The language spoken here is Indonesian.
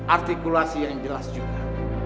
artikulasi yang jelas juga